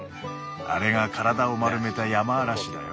あれが体を丸めたヤマアラシだよ。